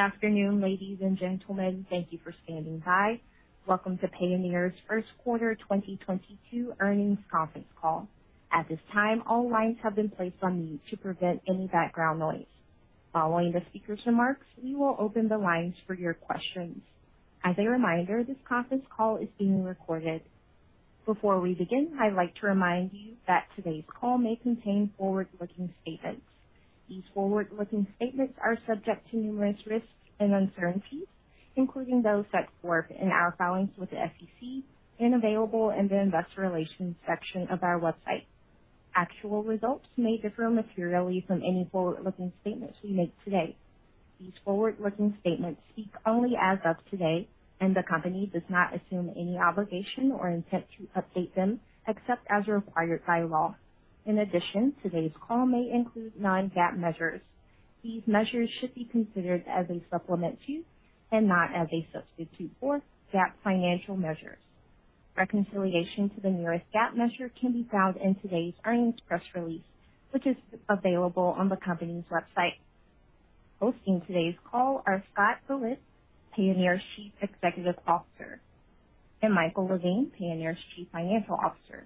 Good afternoon, ladies and gentlemen. Thank you for standing by. Welcome to Payoneer's First Quarter 2022 Earnings Conference Call. At this time, all lines have been placed on mute to prevent any background noise. Following the speaker's remarks, we will open the lines for your questions. As a reminder, this conference call is being recorded. Before we begin, I'd like to remind you that today's call may contain forward-looking statements. These forward-looking statements are subject to numerous risks and uncertainties, including those that were in our filings with the SEC and available in the investor relations section of our website. Actual results may differ materially from any forward-looking statements we make today. These forward-looking statements speak only as of today, and the company does not assume any obligation or intent to update them except as required by law. In addition, today's call may include non-GAAP measures. These measures should be considered as a supplement to and not as a substitute for GAAP financial measures. Reconciliation to the nearest GAAP measure can be found in today's earnings press release, which is available on the company's website. Hosting today's call are Scott Galit, Payoneer Chief Executive Officer, and Michael Levine, Payoneer's Chief Financial Officer.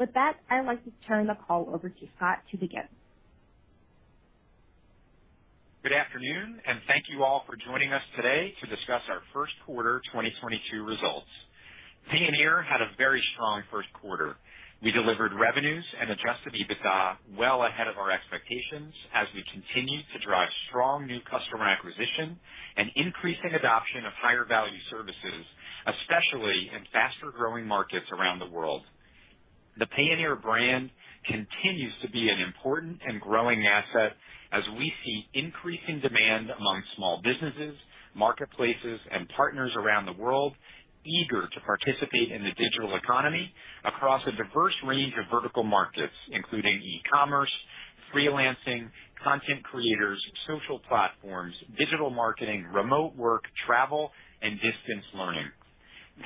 With that, I'd like to turn the call over to Scott to begin. Good afternoon, and thank you all for joining us today to discuss our first quarter 2022 results. Payoneer had a very strong first quarter. We delivered revenues and adjusted EBITDA well ahead of our expectations as we continued to drive strong new customer acquisition and increasing adoption of higher value services, especially in faster growing markets around the world. The Payoneer brand continues to be an important and growing asset as we see increasing demand among small businesses, marketplaces, and partners around the world eager to participate in the digital economy across a diverse range of vertical markets, including e-commerce, freelancing, content creators, social platforms, digital marketing, remote work, travel, and distance learning.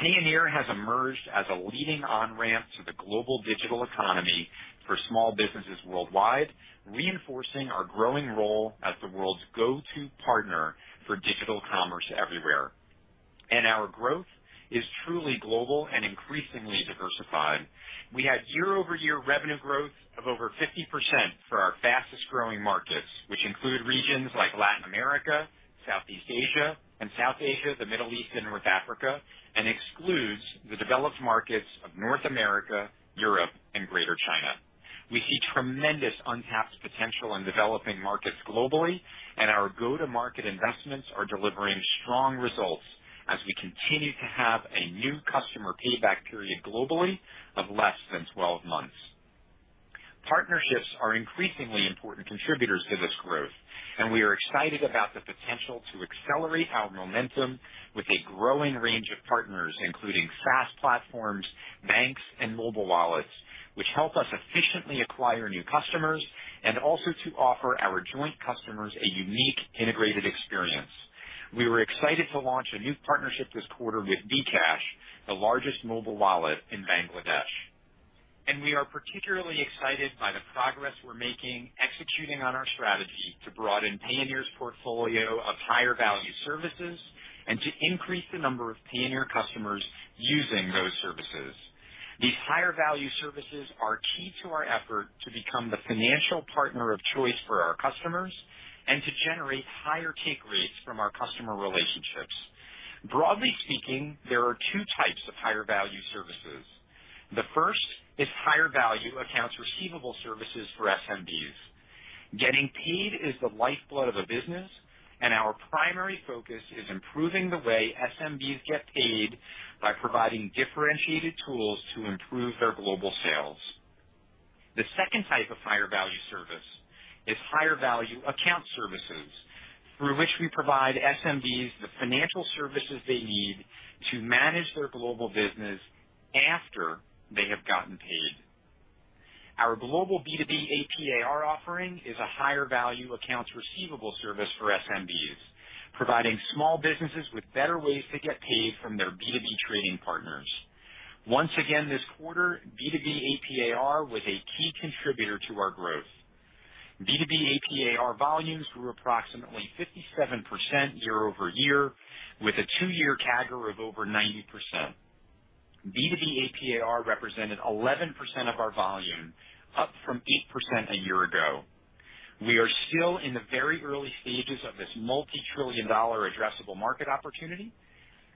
Payoneer has emerged as a leading on-ramp to the global digital economy for small businesses worldwide, reinforcing our growing role as the world's go-to partner for digital commerce everywhere. Our growth is truly global and increasingly diversified. We had year-over-year revenue growth of over 50% for our fastest growing markets, which include regions like Latin America, Southeast Asia and South Asia, the Middle East and North Africa, and excludes the developed markets of North America, Europe, and Greater China. We see tremendous untapped potential in developing markets globally, and our go-to-market investments are delivering strong results as we continue to have a new customer payback period globally of less than 12 months. Partnerships are increasingly important contributors to this growth, and we are excited about the potential to accelerate our momentum with a growing range of partners, including SaaS platforms, banks, and mobile wallets, which help us efficiently acquire new customers and also to offer our joint customers a unique integrated experience. We were excited to launch a new partnership this quarter with bKash, the largest mobile wallet in Bangladesh. We are particularly excited by the progress we're making executing on our strategy to broaden Payoneer's portfolio of higher value services and to increase the number of Payoneer customers using those services. These higher value services are key to our effort to become the financial partner of choice for our customers and to generate higher take rates from our customer relationships. Broadly speaking, there are two types of higher value services. The first is higher value accounts receivable services for SMBs. Getting paid is the lifeblood of a business, and our primary focus is improving the way SMBs get paid by providing differentiated tools to improve their global sales. The second type of higher value service is higher value account services, through which we provide SMBs the financial services they need to manage their global business after they have gotten paid. Our global B2B AP/AR offering is a higher value accounts receivable service for SMBs, providing small businesses with better ways to get paid from their B2B trading partners. Once again this quarter, B2B AP/AR was a key contributor to our growth. B2B AP/AR volumes grew approximately 57% year-over-year with a two-year CAGR of over 90%. B2B AP/AR represented 11% of our volume, up from 8% a year ago. We are still in the very early stages of this multi-trillion-dollar addressable market opportunity.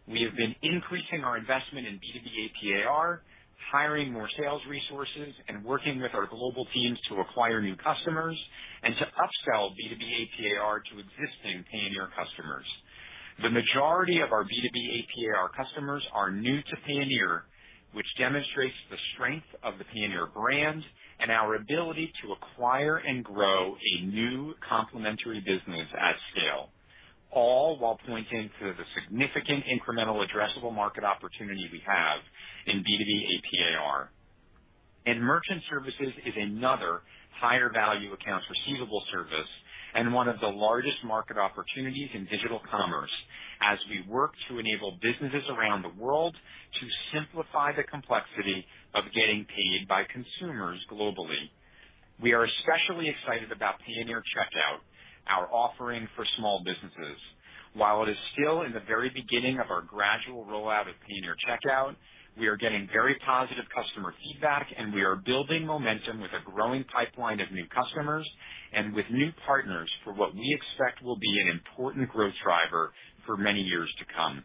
We have been increasing our investment in B2B AP/AR, hiring more sales resources, and working with our global teams to acquire new customers and to upsell B2B AP/AR to existing Payoneer customers. The majority of our B2B AP/AR customers are new to Payoneer, which demonstrates the strength of the Payoneer brand and our ability to acquire and grow a new complementary business at scale, all while pointing to the significant incremental addressable market opportunity we have in B2B AP/AR. Merchant services is another higher value accounts receivable service and one of the largest market opportunities in digital commerce. As we work to enable businesses around the world to simplify the complexity of getting paid by consumers globally. We are especially excited about Payoneer Checkout, our offering for small businesses. While it is still in the very beginning of our gradual rollout of Payoneer Checkout, we are getting very positive customer feedback, and we are building momentum with a growing pipeline of new customers and with new partners for what we expect will be an important growth driver for many years to come.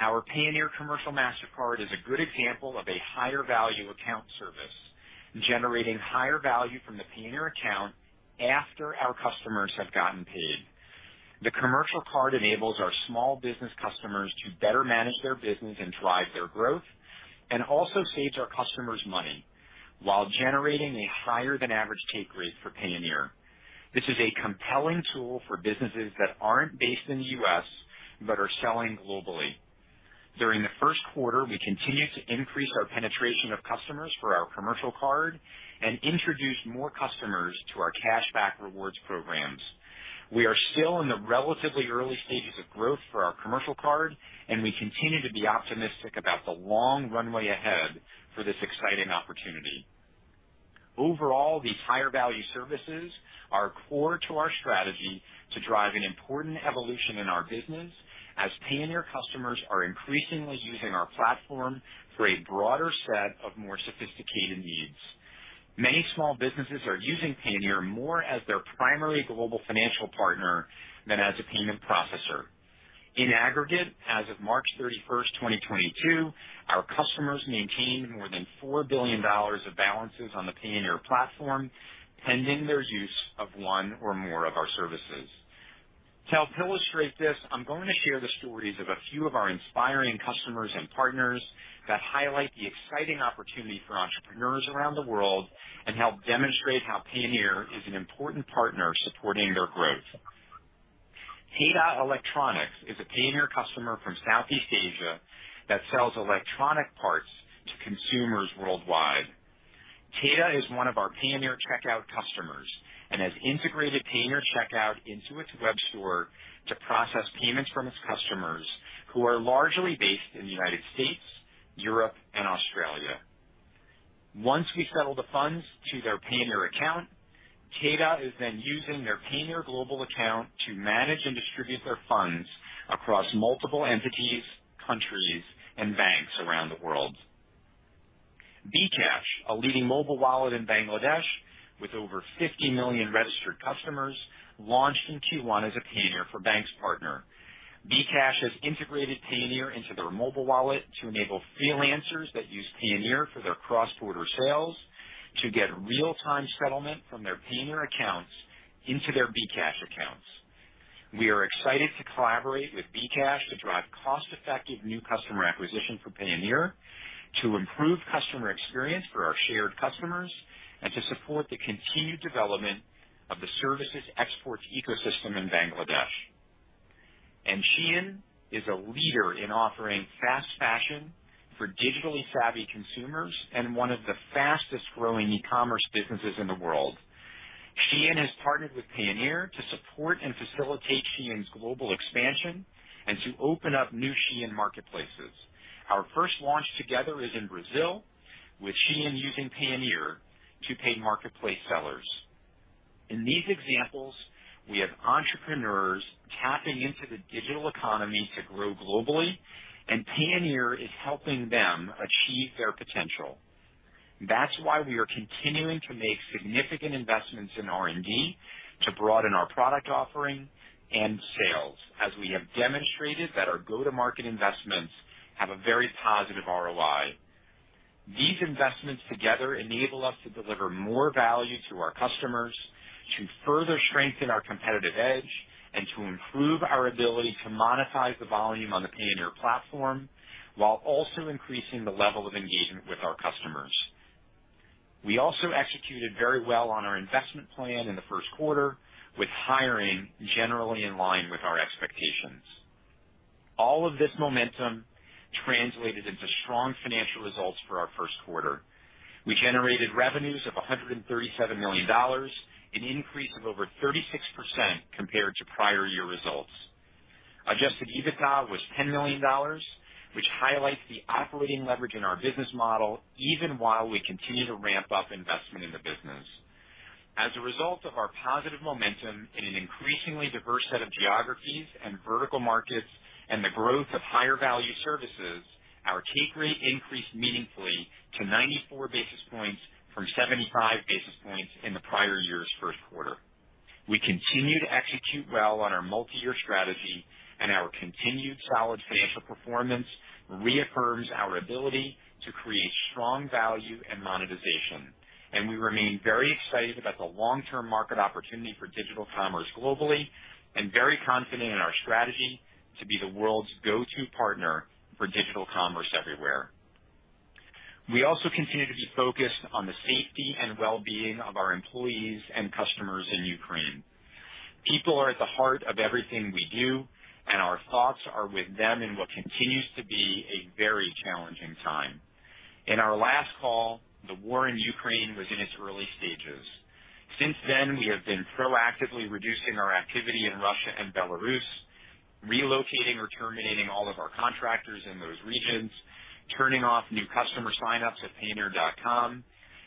Our Payoneer Commercial Mastercard is a good example of a higher value account service, generating higher value from the Payoneer account after our customers have gotten paid. The commercial card enables our small business customers to better manage their business and drive their growth and also saves our customers money while generating a higher than average take rate for Payoneer. This is a compelling tool for businesses that aren't based in the U.S. but are selling globally. During the first quarter, we continued to increase our penetration of customers for our commercial card and introduce more customers to our cashback rewards programs. We are still in the relatively early stages of growth for our commercial card, and we continue to be optimistic about the long runway ahead for this exciting opportunity. Overall, these higher value services are core to our strategy to drive an important evolution in our business as Payoneer customers are increasingly using our platform for a broader set of more sophisticated needs. Many small businesses are using Payoneer more as their primary global financial partner than as a payment processor. In aggregate, as of March 31st, 2022, our customers maintained more than $4 billion of balances on the Payoneer platform pending their use of one or more of our services. To help illustrate this, I'm going to share the stories of a few of our inspiring customers and partners that highlight the exciting opportunity for entrepreneurs around the world and help demonstrate how Payoneer is an important partner supporting their growth. TATA Electronics is a Payoneer customer from Southeast Asia that sells electronic parts to consumers worldwide. Tata is one of our Payoneer Checkout customers and has integrated Payoneer Checkout into its web store to process payments from its customers who are largely based in the United States, Europe and Australia. Once we settle the funds to their Payoneer account, Tata is then using their Payoneer global account to manage and distribute their funds across multiple entities, countries, and banks around the world. bKash, a leading mobile wallet in Bangladesh with over 50 million registered customers, launched in Q1 as a Payoneer for Banks partner. bKash has integrated Payoneer into their mobile wallet to enable freelancers that use Payoneer for their cross-border sales to get real-time settlement from their Payoneer accounts into their bKash accounts. We are excited to collaborate with bKash to drive cost-effective new customer acquisition for Payoneer, to improve customer experience for our shared customers, and to support the continued development of the services exports ecosystem in Bangladesh. Shein is a leader in offering fast fashion for digitally savvy consumers and one of the fastest-growing e-commerce businesses in the world. Shein has partnered with Payoneer to support and facilitate Shein's global expansion and to open up new Shein marketplaces. Our first launch together is in Brazil, with Shein using Payoneer to pay marketplace sellers. In these examples, we have entrepreneurs tapping into the digital economy to grow globally, and Payoneer is helping them achieve their potential. That's why we are continuing to make significant investments in R&D to broaden our product offering and sales, as we have demonstrated that our go-to-market investments have a very positive ROI. These investments together enable us to deliver more value to our customers, to further strengthen our competitive edge, and to improve our ability to monetize the volume on the Payoneer platform while also increasing the level of engagement with our customers. We also executed very well on our investment plan in the first quarter, with hiring generally in line with our expectations. All of this momentum translated into strong financial results for our first quarter. We generated revenues of $137 million, an increase of over 36% compared to prior year results. Adjusted EBITDA was $10 million, which highlights the operating leverage in our business model even while we continue to ramp up investment in the business. As a result of our positive momentum in an increasingly diverse set of geographies and vertical markets and the growth of higher value services, our take rate increased meaningfully to 94 basis points from 75 basis points in the prior year's first quarter. We continue to execute well on our multiyear strategy, and our continued solid financial performance reaffirms our ability to create strong value and monetization. We remain very excited about the long-term market opportunity for digital commerce globally and very confident in our strategy to be the world's go-to partner for digital commerce everywhere. We also continue to be focused on the safety and well-being of our employees and customers in Ukraine. People are at the heart of everything we do, and our thoughts are with them in what continues to be a very challenging time. In our last call, the war in Ukraine was in its early stages. Since then, we have been proactively reducing our activity in Russia and Belarus. Relocating or terminating all of our contractors in those regions, turning off new customer signups at payoneer.com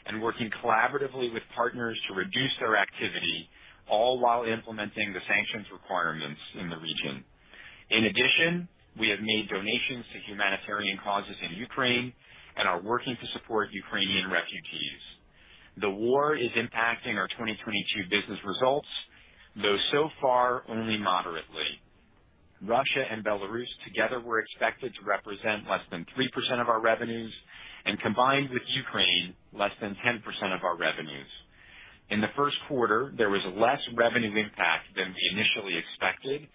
and working collaboratively with partners to reduce their activity, all while implementing the sanctions requirements in the region. In addition, we have made donations to humanitarian causes in Ukraine and are working to support Ukrainian refugees. The war is impacting our 2022 business results, though so far only moderately. Russia and Belarus together were expected to represent less than 3% of our revenues and combined with Ukraine, less than 10% of our revenues. In the first quarter, there was less revenue impact than we initially expected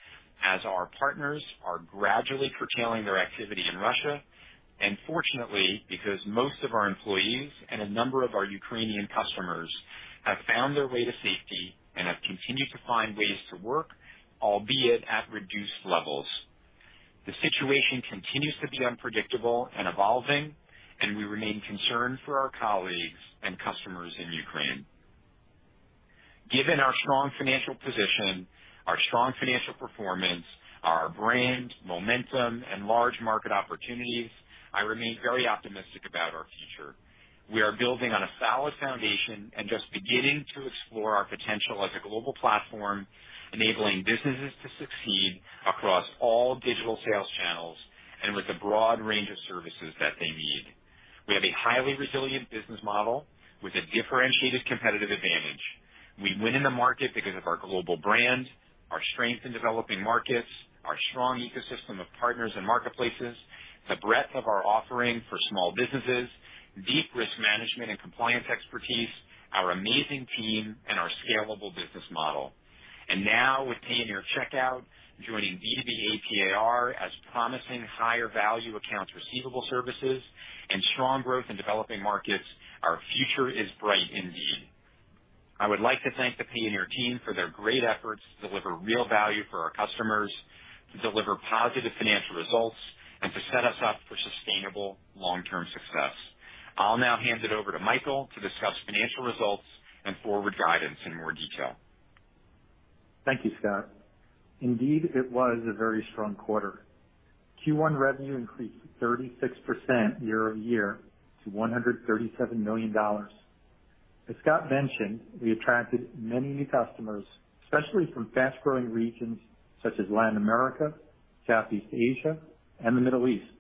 as our partners are gradually curtailing their activity in Russia. Fortunately, because most of our employees and a number of our Ukrainian customers have found their way to safety and have continued to find ways to work, albeit at reduced levels. The situation continues to be unpredictable and evolving, and we remain concerned for our colleagues and customers in Ukraine. Given our strong financial position, our strong financial performance, our brand momentum and large market opportunities, I remain very optimistic about our future. We are building on a solid foundation and just beginning to explore our potential as a global platform, enabling businesses to succeed across all digital sales channels and with a broad range of services that they need. We have a highly resilient business model with a differentiated competitive advantage. We win in the market because of our global brand, our strength in developing markets, our strong ecosystem of partners and marketplaces, the breadth of our offering for small businesses, deep risk management and compliance expertise, our amazing team and our scalable business model. Now with Payoneer Checkout joining B2B AP/AR as promising higher value accounts receivable services and strong growth in developing markets, our future is bright indeed. I would like to thank the Payoneer team for their great efforts to deliver real value for our customers, to deliver positive financial results, and to set us up for sustainable long-term success. I'll now hand it over to Michael to discuss financial results and forward guidance in more detail. Thank you, Scott. Indeed, it was a very strong quarter. Q1 revenue increased 36% year-over-year to $137 million. As Scott mentioned, we attracted many new customers, especially from fast-growing regions such as Latin America, Southeast Asia, and the Middle East,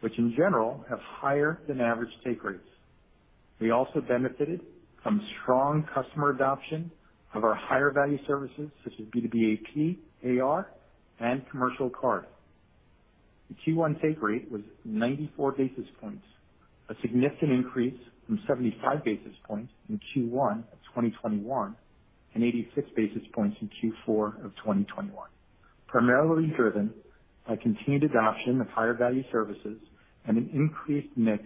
which in general have higher than average take rates. We also benefited from strong customer adoption of our higher value services such as B2B AP, AR, and commercial card. The Q1 take rate was 94 basis points, a significant increase from 75 basis points in Q1 of 2021 and 86 basis points in Q4 of 2021, primarily driven by continued adoption of higher value services and an increased mix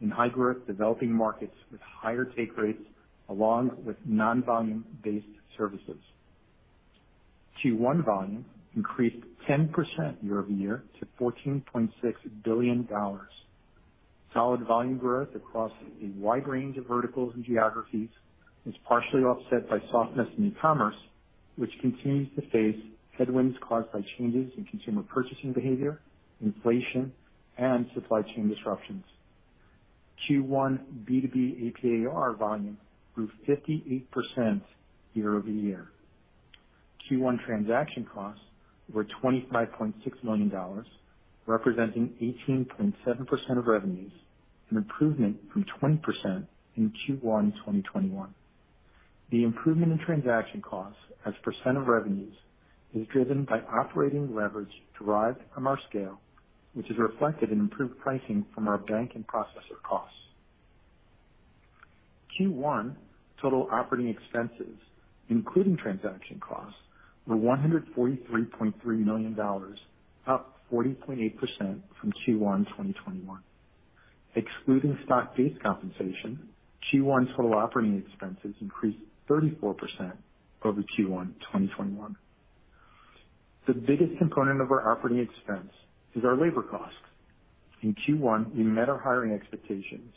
in high growth developing markets with higher take rates along with non-volume based services. Q1 volume increased 10% year-over-year to $14.6 billion. Solid volume growth across a wide range of verticals and geographies was partially offset by softness in e-commerce, which continues to face headwinds caused by changes in consumer purchasing behavior, inflation, and supply chain disruptions. Q1 B2B AP/AR volume grew 58% year-over-year. Q1 transaction costs were $25.6 million, representing 18.7% of revenues, an improvement from 20% in Q1 2021. The improvement in transaction costs as percent of revenues is driven by operating leverage derived from our scale, which is reflected in improved pricing from our bank and processor costs. Q1 total operating expenses, including transaction costs, were $143.3 million, up 40.8% from Q1 2021. Excluding stock-based compensation, Q1 total operating expenses increased 34% over Q1 2021. The biggest component of our operating expense is our labor costs. In Q1, we met our hiring expectations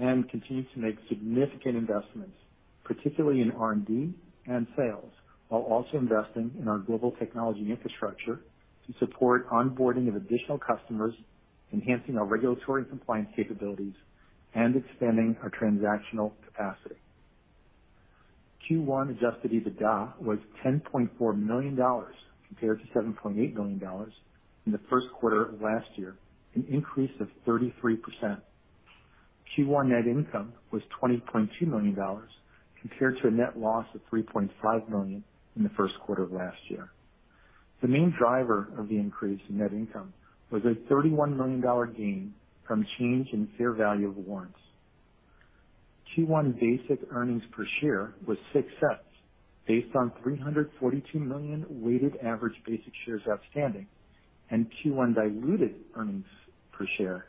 and continued to make significant investments, particularly in R&D and sales, while also investing in our global technology infrastructure to support onboarding of additional customers, enhancing our regulatory compliance capabilities, and expanding our transactional capacity. Q1 adjusted EBITDA was $10.4 million compared to $7.8 million in the first quarter of last year, an increase of 33%. Q1 net income was $20.2 million compared to a net loss of $3.5 million in the first quarter of last year. The main driver of the increase in net income was a $31 million gain from change in fair value of warrants. Q1 basic earnings per share was $0.6 Based on 342 million weighted average basic shares outstanding, and Q1 diluted earnings per share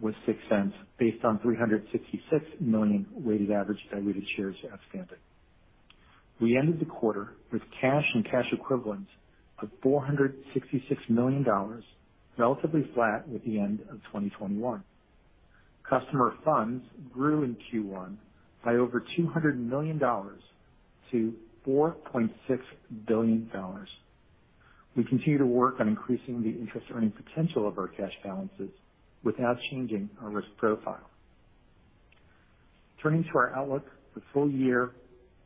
was $0.6 based on 366 million weighted average diluted shares outstanding. We ended the quarter with cash and cash equivalents of $466 million, relatively flat with the end of 2021. Customer funds grew in Q1 by over $200 million to $4.6 billion. We continue to work on increasing the interest-earning potential of our cash balances without changing our risk profile. Turning to our outlook for full year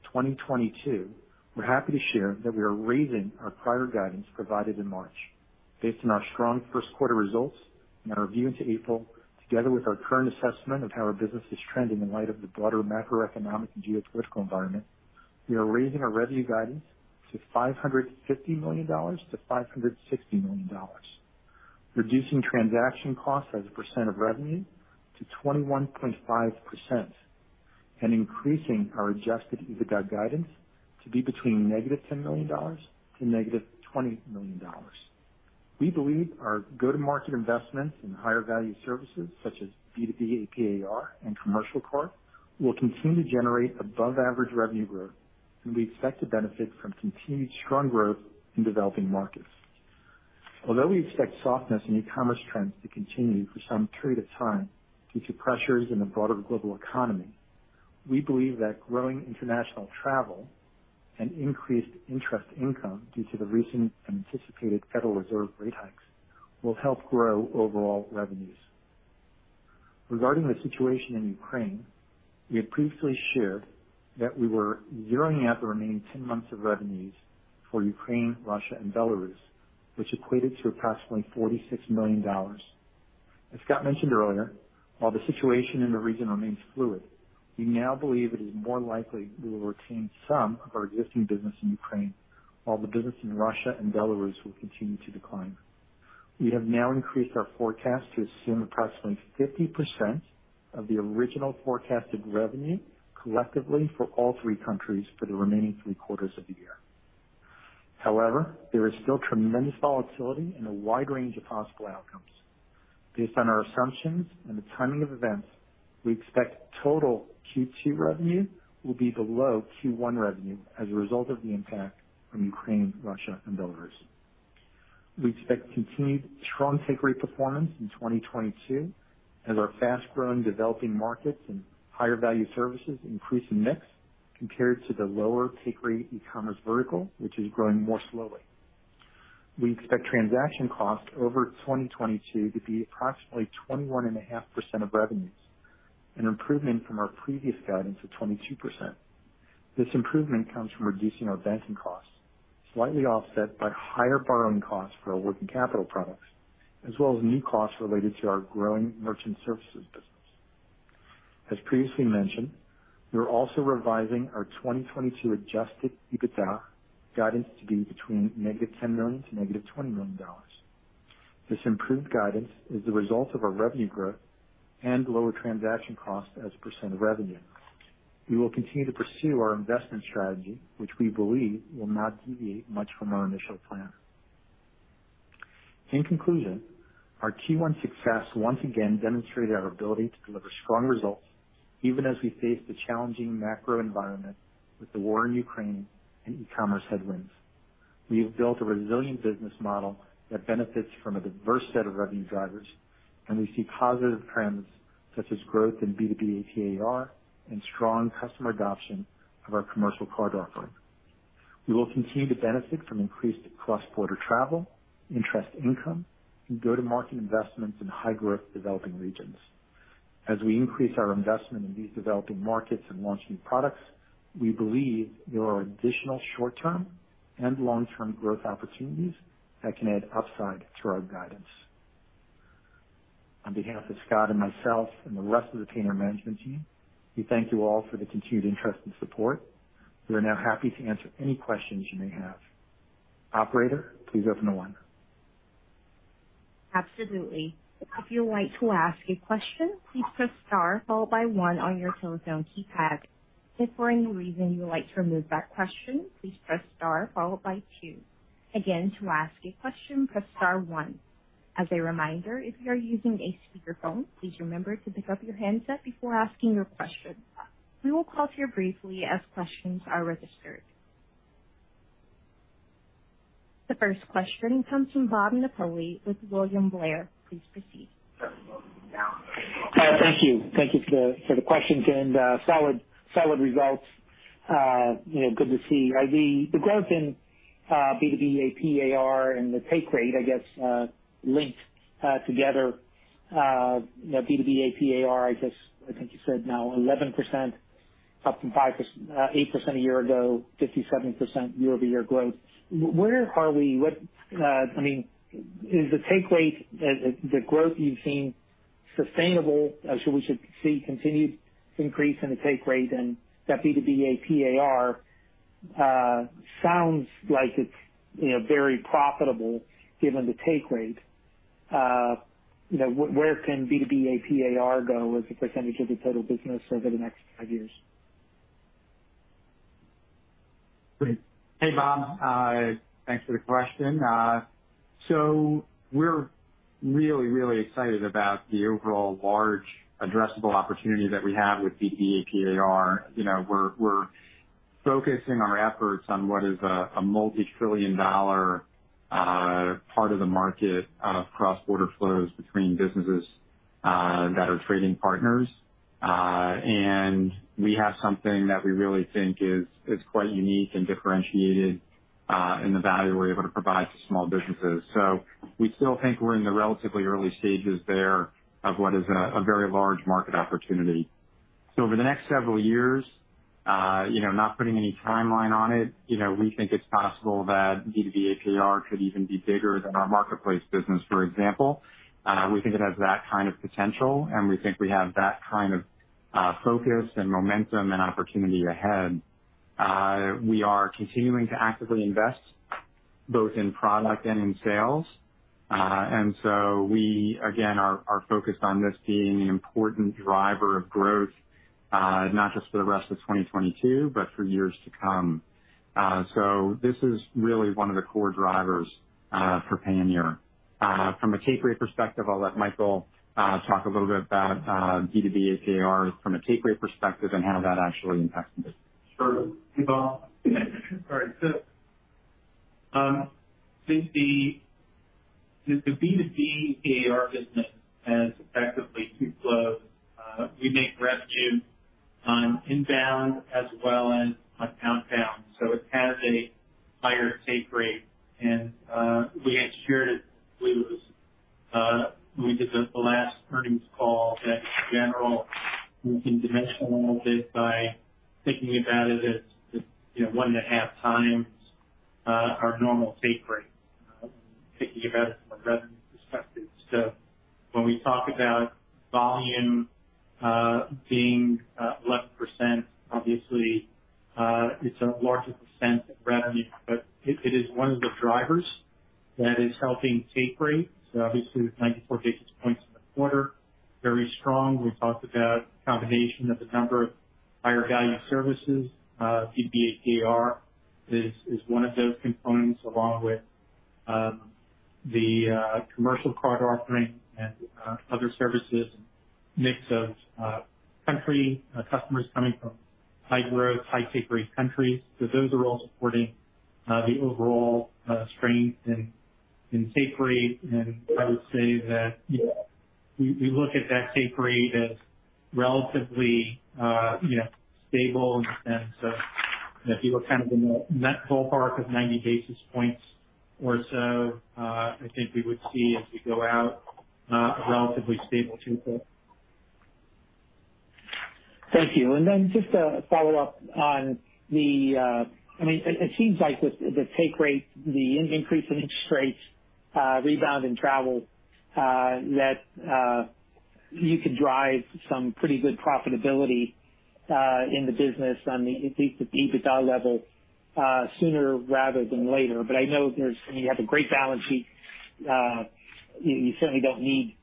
2022, we're happy to share that we are raising our prior guidance provided in March based on our strong first quarter results and our view into April, together with our current assessment of how our business is trending in light of the broader macroeconomic and geopolitical environment. We are raising our revenue guidance to $550 million-$560 million, reducing transaction costs as a percent of revenue to 21.5% and increasing our adjusted EBITDA guidance to be between -$10 million to -$20 million. We believe our go-to-market investments in higher value services such as B2B AP/AR and commercial card will continue to generate above average revenue growth, and we expect to benefit from continued strong growth in developing markets. Although we expect softness in e-commerce trends to continue for some period of time due to pressures in the broader global economy, we believe that growing international travel and increased interest income due to the recent anticipated Federal Reserve rate hikes will help grow overall revenues. Regarding the situation in Ukraine, we had previously shared that we were zeroing out the remaining 10 months of revenues for Ukraine, Russia and Belarus, which equated to approximately $46 million. As Scott mentioned earlier, while the situation in the region remains fluid, we now believe it is more likely we will retain some of our existing business in Ukraine while the business in Russia and Belarus will continue to decline. We have now increased our forecast to assume approximately 50% of the original forecasted revenue collectively for all three countries for the remaining three quarters of the year. However, there is still tremendous volatility and a wide range of possible outcomes. Based on our assumptions and the timing of events, we expect total Q2 revenue will be below Q1 revenue as a result of the impact from Ukraine, Russia, and Belarus. We expect continued strong take rate performance in 2022 as our fast-growing developing markets and higher value services increase in mix compared to the lower take rate e-commerce vertical, which is growing more slowly. We expect transaction costs over 2022 to be approximately 21.5% of revenues, an improvement from our previous guidance of 22%. This improvement comes from reducing our banking costs, slightly offset by higher borrowing costs for our working capital products as well as new costs related to our growing merchant services business. As previously mentioned, we are also revising our 2022 adjusted EBITDA guidance to be between -$10 million and -$20 million. This improved guidance is the result of our revenue growth and lower transaction costs as a % of revenue. We will continue to pursue our investment strategy, which we believe will not deviate much from our initial plan. In conclusion, our Q1 success once again demonstrated our ability to deliver strong results even as we face the challenging macro environment with the war in Ukraine and e-commerce headwinds. We have built a resilient business model that benefits from a diverse set of revenue drivers, and we see positive trends such as growth in B2B AP/AR and strong customer adoption of our commercial card offering. We will continue to benefit from increased cross-border travel, interest income and go-to-market investments in high-growth developing regions. As we increase our investment in these developing markets and launch new products, we believe there are additional short-term and long-term growth opportunities that can add upside to our guidance. On behalf of Scott and myself and the rest of the Payoneer management team, we thank you all for the continued interest and support. We are now happy to answer any questions you may have. Operator, please open the line. Absolutely. If you'd like to ask a question, please press star followed by one on your telephone keypad. If for any reason you would like to remove that question, please press star followed by two. Again, to ask a question, press star one. As a reminder, if you are using a speakerphone, please remember to pick up your handset before asking your question. We will pause here briefly as questions are registered. The first question comes from Bob Napoli with William Blair. Please proceed. Thank you. Thank you for the questions and solid results. You know, good to see. The growth in B2B AP/AR and the take rate, I guess, linked together. You know, B2B AP/AR, I guess I think you said now 11% up from 5%-8% a year ago, 57% year-over-year growth. Where are we? What, I mean, is the take rate, the growth you've seen sustainable? We should see continued increase in the take rate and that B2B AP/AR sounds like it's, you know, very profitable given the take rate. You know, where can B2B AP/AR go as a percentage of the total business over the next five years? Great. Hey, Bob. Thanks for the question. We're really excited about the overall large addressable opportunity that we have with B2B AP/AR. You know, we're Focusing our efforts on what is a multitrillion-dollar part of the market of cross-border flows between businesses that are trading partners. We have something that we really think is quite unique and differentiated in the value we're able to provide to small businesses. We still think we're in the relatively early stages there of what is a very large market opportunity. Over the next several years, you know, not putting any timeline on it, you know, we think it's possible that B2B AP/AR could even be bigger than our marketplace business, for example. We think it has that kind of potential, and we think we have that kind of focus and momentum and opportunity ahead. We are continuing to actively invest both in product and in sales. We again are focused on this being an important driver of growth, not just for the rest of 2022, but for years to come. This is really one of the core drivers for Payoneer. From a take rate perspective, I'll let Michael talk a little bit about B2B AP/AR from a take rate perspective and how that actually impacts the business. Sure. Thanks, Bob. All right. I think the B2B AP/AR business has effectively two flows. We make revenue on inbound as well as on outbound, so it has a higher take rate. We had shared it when we did the last earnings call that in general, we can dimensionalize it by thinking about it as you know, 1.5x our normal take rate thinking about it from a revenue perspective. When we talk about volume being 11%, obviously it's a larger percent of revenue, but it is one of the drivers that is helping take rate. Obviously with 94 basis points in the quarter, very strong. We talked about combination of the number of higher value services. B2B AP/AR is one of those components along with the commercial card offerings and other services and mix of country customers coming from high-growth, high take rate countries. Those are all supporting the overall strength in take rate. I would say that, you know, we look at that take rate as relatively, you know, stable in the sense of if you were kind of in the net ballpark of 90 basis points or so. I think we would see as we go out a relatively stable take rate. Thank you. Just a follow-up on the, I mean, it seems like with the take rate, the increase in interest rates, rebound in travel, that you could drive some pretty good profitability in the business on the EBITDA level sooner rather than later. I know there's, I mean, you have a great balance sheet. You certainly don't need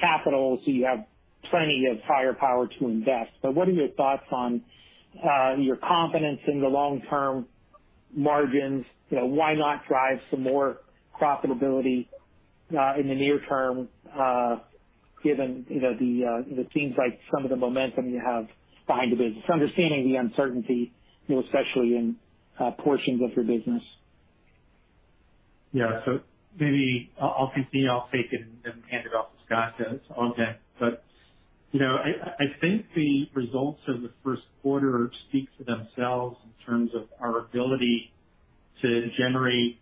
capital, so you have plenty of firepower to invest. What are your thoughts on your confidence in the long-term margins? You know, why not drive some more profitability in the near term given, you know, it seems like some of the momentum you have behind the business, understanding the uncertainty, you know, especially in portions of your business. Yeah. Maybe I'll kick things off, Bob, and then hand it off to Scott to augment. You know, I think the results of the first quarter speak for themselves in terms of our ability to generate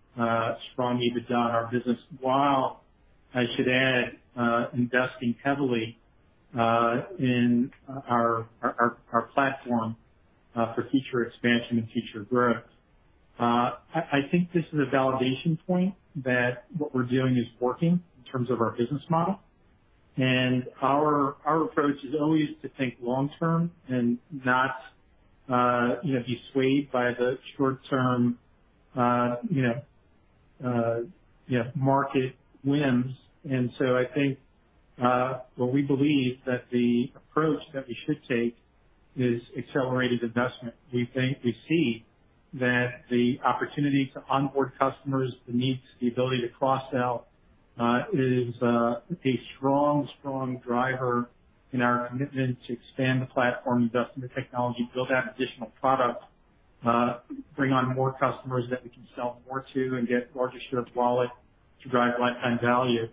strong EBITDA in our business, while I should add, investing heavily in our platform for future expansion and future growth. I think this is a validation point that what we're doing is working in terms of our business model. Our approach is always to think long term and not, you know, be swayed by the short term, you know, market whims. I think, well, we believe that the approach that we should take is accelerated investment. We think we see that the opportunity to onboard customers, the needs, the ability to cross-sell, is a strong driver in our commitment to expand the platform, invest in the technology, build out additional products, bring on more customers that we can sell more to and get larger share of wallet to drive lifetime value,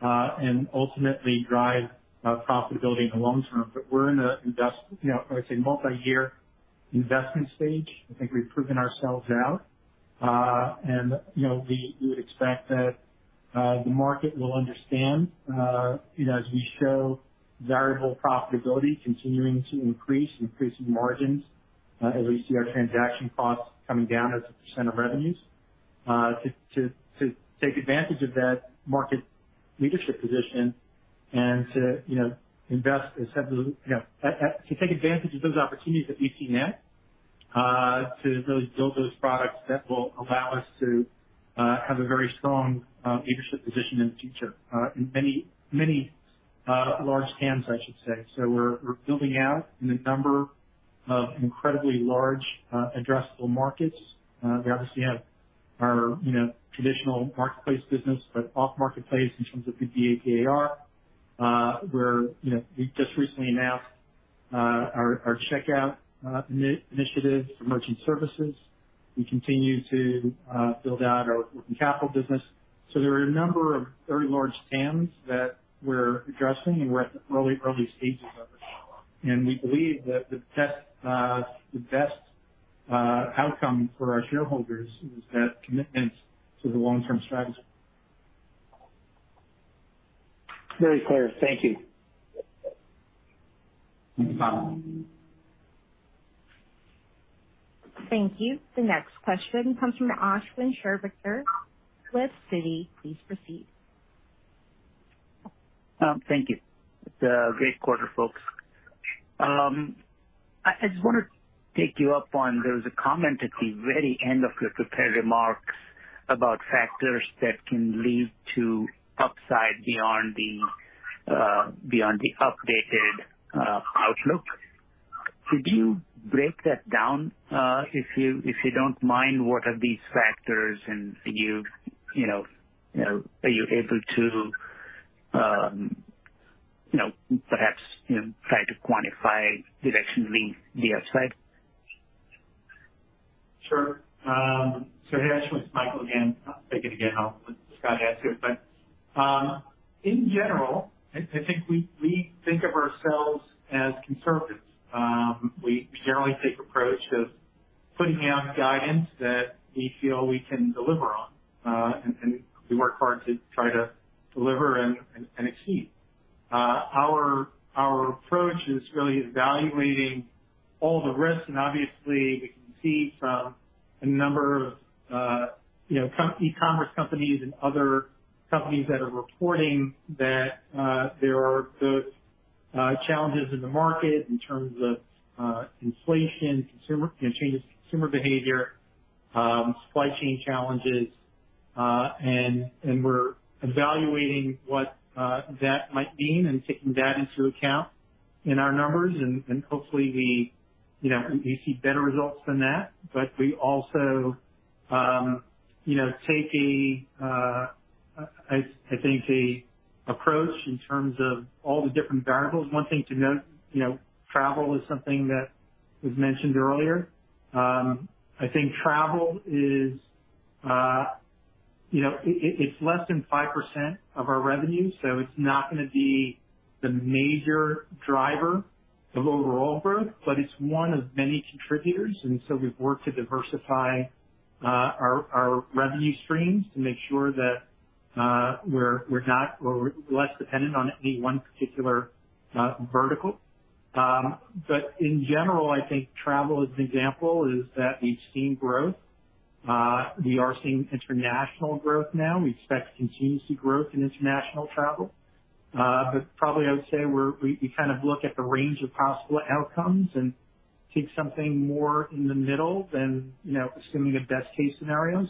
and ultimately drive profitability in the long term. We're in a you know, I would say multi-year investment stage. I think we've proven ourselves out. You know, we would expect that the market will understand, you know, as we show variable profitability continuing to increase, increasing margins, as we see our transaction costs coming down as a percent of revenues, to take advantage of that market leadership position and to, you know, invest as have the. You know, to take advantage of those opportunities that we see now, to really build those products that will allow us to have a very strong leadership position in the future, in many, many large TAMs, I should say. We're building out in a number of incredibly large addressable markets. We obviously have our, you know, traditional marketplace business, but off marketplace in terms of B2B AP/AR. We just recently announced our Checkout initiative for merchant services. We continue to build out our working capital business. There are a number of very large TAMs that we're addressing, and we're at the early stages of it. We believe that the best outcome for our shareholders is that commitment to the long-term strategy. Very clear. Thank you. Thanks, Bob. Thank you. The next question comes from Ashwin Shirvaikar, Citi. Please proceed. Thank you. It's a great quarter, folks. I just want to take you up on there was a comment at the very end of your prepared remarks about factors that can lead to upside beyond the updated outlook. Could you break that down? If you don't mind, what are these factors? And are you know, able to perhaps try to quantify directionally the upside? Sure. So hey, Ashwin, it's Michael again. I'll take it again. I'll let Scott answer it, but in general, I think we think of ourselves as conservatives. We generally take approach of putting out guidance that we feel we can deliver on, and we work hard to try to deliver and exceed. Our approach is really evaluating all the risks. Obviously we can see from a number of, you know, e-commerce companies and other companies that are reporting that there are the challenges in the market in terms of inflation, changes to consumer behavior, supply chain challenges. We're evaluating what that might mean and taking that into account in our numbers. Hopefully we, you know, you see better results than that. We also, you know, take a, I think, a approach in terms of all the different variables. One thing to note, you know, travel is something that was mentioned earlier. I think travel is, you know, it's less than 5% of our revenue, so it's not going to be the major driver of overall growth, but it's one of many contributors. We've worked to diversify our revenue streams to make sure that we're less dependent on any one particular vertical. In general, I think travel as an example is that we've seen growth. We are seeing international growth now. We expect to continue to see growth in international travel. Probably I would say we kind of look at the range of possible outcomes and take something more in the middle than, you know, assuming a best-case scenario.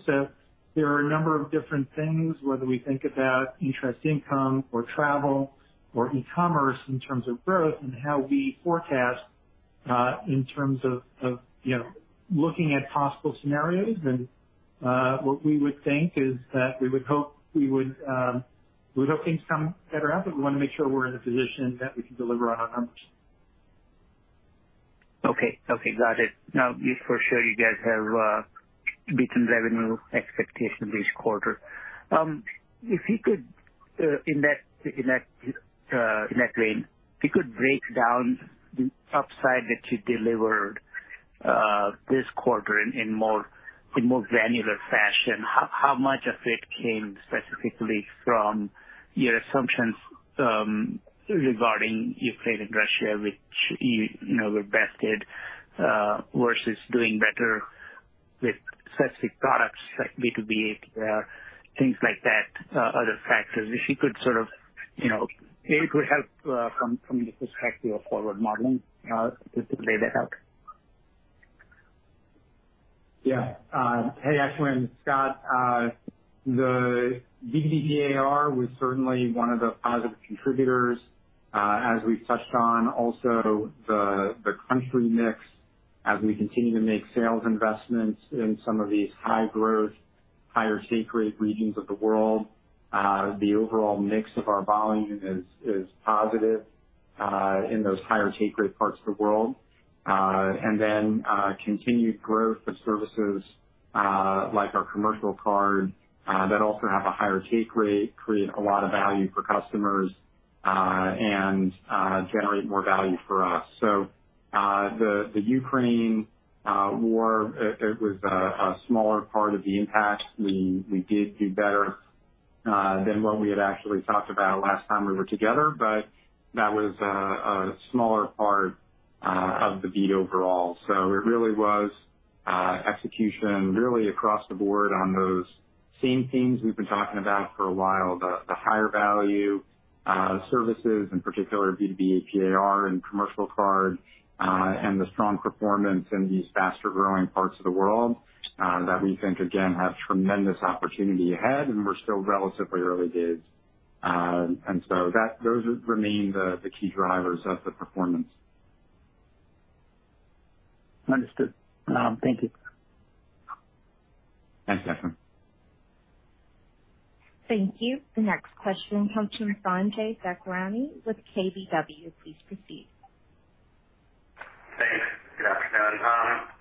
There are a number of different things, whether we think about interest income or travel or e-commerce in terms of growth and how we forecast, in terms of, you know, looking at possible scenarios. What we would think is that we would hope we're hoping some better outcome. We want to make sure we're in a position that we can deliver on our numbers. Okay. Okay, got it. Now, for sure you guys have beaten revenue expectations this quarter. If you could, in that vein, break down the upside that you delivered this quarter in more granular fashion. How much of it came specifically from your assumptions regarding Ukraine and Russia, which you know were bested versus doing better with specific products like B2B AP/AR or things like that, other factors? If you could sort of, you know, it would help from the perspective of forward modeling to lay that out. Yeah. Hey, Ashwin. Scott. The B2B AP/AR was certainly one of the positive contributors, as we've touched on also the country mix as we continue to make sales investments in some of these high growth, higher take rate regions of the world. The overall mix of our volume is positive in those higher take rate parts of the world. Continued growth of services like our commercial card that also have a higher take rate create a lot of value for customers and generate more value for us. The Ukraine war was a smaller part of the impact. We did do better than what we had actually talked about last time we were together, but that was a smaller part of the beat overall. It really was execution really across the board on those same themes we've been talking about for a while. The higher value services in particular B2B AP/AR and commercial card, and the strong performance in these faster-growing parts of the world, that we think again have tremendous opportunity ahead and we're still relatively early days. Those remain the key drivers of the performance. Understood. Thank you. Thanks, Ashwin. Thank you. The next question comes from Sanjay Sakhrani with KBW. Please proceed. Thanks. Good afternoon.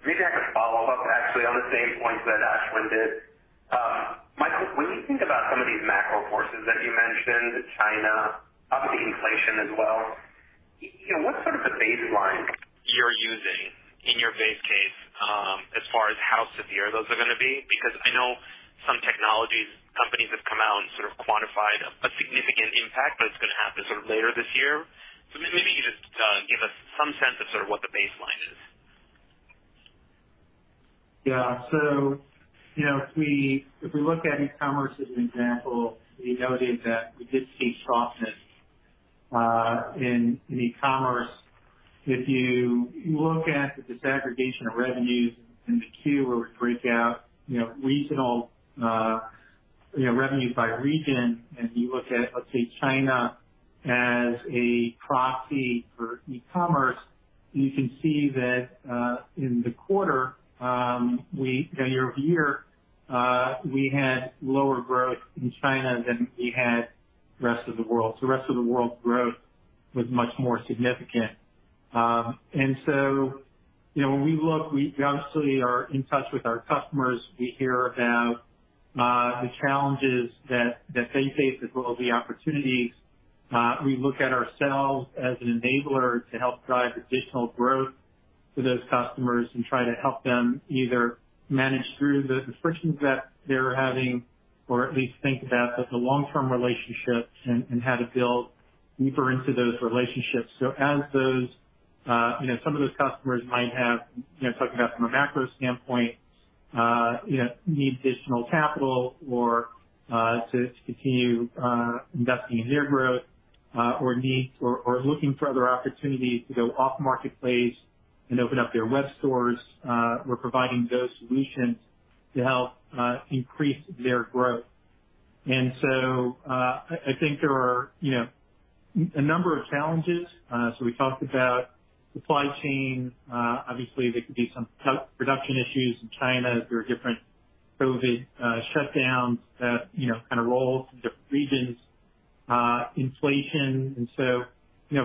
Maybe I could follow up actually on the same points that Ashwin did. Michael, when you think about some of these macro forces that you mentioned, China, obviously inflation as well, you know, what's sort of the baseline you're using in your base case, as far as how severe those are gonna be? Because I know some technology companies have come out and sort of quantified a significant impact, but it's gonna happen sort of later this year. Maybe you just give us some sense of sort of what the baseline is. Yeah. You know, if we look at e-commerce as an example, we noted that we did see softness in e-commerce. If you look at the disaggregation of revenues in the Q where we break out, you know, regional, you know, revenues by region, and you look at, let's say, China as a proxy for e-commerce, you can see that in the quarter year-over-year we had lower growth in China than we had the rest of the world. The rest of the world's growth was much more significant. You know, when we look, we obviously are in touch with our customers. We hear about the challenges that they face as well as the opportunities. We look at ourselves as an enabler to help drive additional growth to those customers and try to help them either manage through the frictions that they're having or at least think about the long-term relationships and how to build deeper into those relationships. As those, you know, some of those customers might have, you know, talking about from a macro standpoint, you know, need additional capital or to continue investing in their growth, or need or looking for other opportunities to go off marketplace and open up their web stores, we're providing those solutions to help increase their growth. I think there are, you know, a number of challenges. We talked about supply chain. Obviously there could be some production issues in China through different COVID shutdowns that, you know, kind of roll through different regions. Inflation.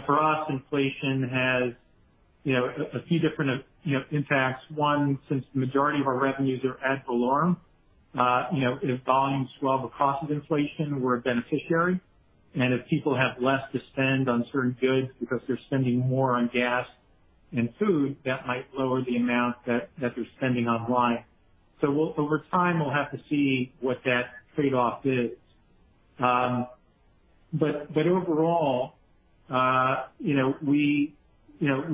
For us, inflation has, you know, a few different, you know, impacts. One, since the majority of our revenues are volume-based, you know, if volumes swell because of inflation, we're a beneficiary. If people have less to spend on certain goods because they're spending more on gas and food, that might lower the amount that they're spending online. Over time, we'll have to see what that trade-off is. But overall, you know,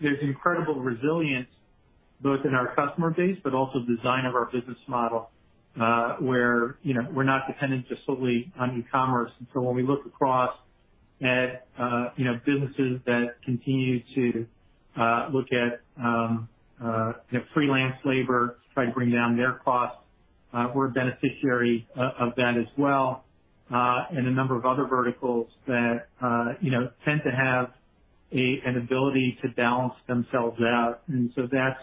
there's incredible resilience both in our customer base, but also design of our business model, where, you know, we're not dependent just solely on e-commerce. When we look across at, you know, businesses that continue to look at, you know, freelance labor to try to bring down their costs, we're a beneficiary of that as well, and a number of other verticals that, you know, tend to have an ability to balance themselves out. That's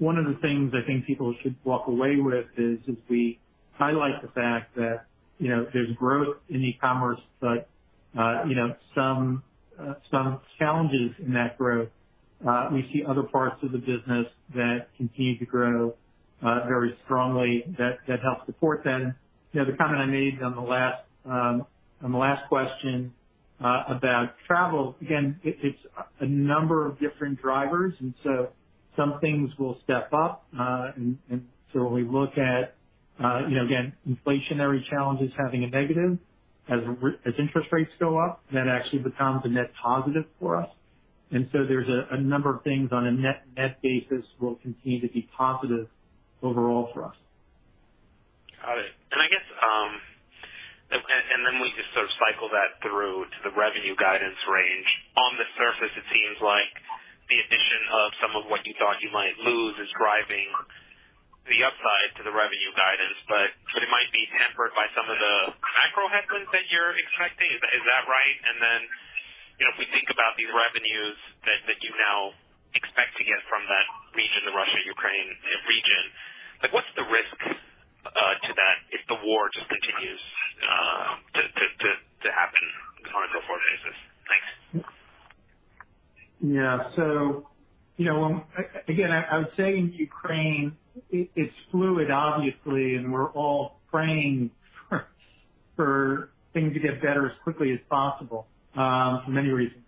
one of the things I think people should walk away with, is we highlight the fact that, you know, there's growth in e-commerce, but, you know, some challenges in that growth. We see other parts of the business that continue to grow very strongly that help support that. You know, the comment I made on the last question, about travel, again, it's a number of different drivers, and so some things will step up. When we look at, you know, again, inflationary challenges having a negative as interest rates go up, that actually becomes a net positive for us. There's a number of things on a net basis will continue to be positive overall for us. Got it. I guess, and then we just sort of cycle that through to the revenue guidance range. On the surface, it seems like the addition of some of what you thought you might lose is driving the upside to the revenue guidance, but it might be tempered by some of the macro headwinds that you're expecting. Is that right? You know, if we think about these revenues that you now expect to get from that region, the Russia, Ukraine region, like, what's the risk to that if the war just continues to happen on a go-forward basis? Thanks. You know, again, I would say in Ukraine, it's fluid obviously, and we're all praying for things to get better as quickly as possible, for many reasons.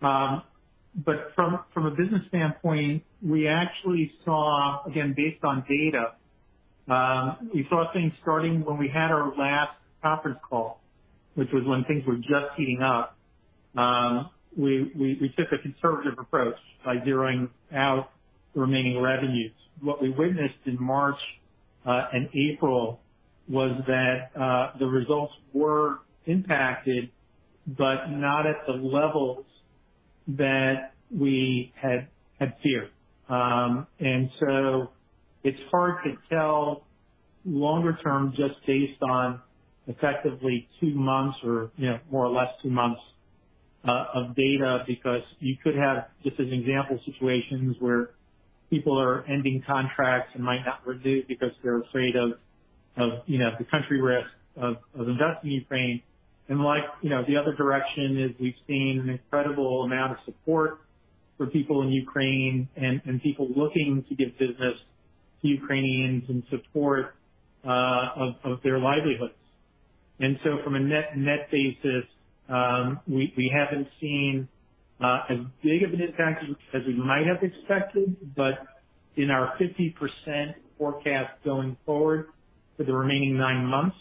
From a business standpoint, we actually saw, again, based on data, we saw things starting when we had our last conference call, which was when things were just heating up. We took a conservative approach by zeroing out the remaining revenues. What we witnessed in March and April was that the results were impacted, but not at the levels that we had feared. It's hard to tell longer term just based on effectively two months or, you know, more or less two months. Of data because you could have, just as an example, situations where people are ending contracts and might not renew because they're afraid of, you know, the country risk of investing in Ukraine. Like, you know, the other direction is we've seen an incredible amount of support for people in Ukraine and people looking to give business to Ukrainians in support of their livelihoods. From a net basis, we haven't seen as big of an impact as we might have expected. In our 50% forecast going forward for the remaining nine months,